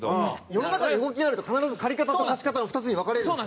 世の中に動きがあると必ず借方と貸方の２つに分かれるんです。